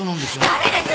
誰です？